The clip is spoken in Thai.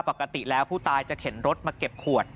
ปกติแล้วผู้ตายจะเข็นรถมาเก็บขวด